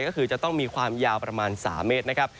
ก็คือจะต้องมีความยาวประมาณ๓เมตรนะครับ